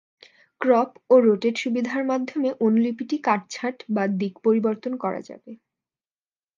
Crop ও rotate সুবিধার মাধ্যমে অনুলিপিটি কাটছাঁট বা দিক পরিবর্তন করা যাবে।